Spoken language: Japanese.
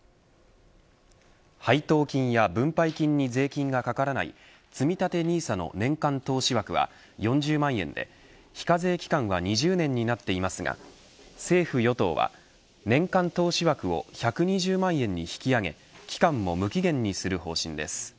配当金や分配金に税金がかからない積み立てＮＩＳＡの年間投資枠は４０万円で非課税期間は２０年になっていますが政府・与党は年間投資枠を１２０万円に引き上げ期間も無期限にする方針です。